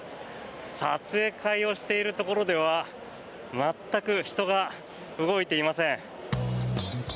撮影会をしているところでは全く人が動いていません。